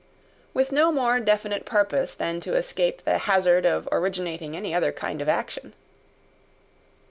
With no more definite purpose than to escape the hazard of originating any other kind of action.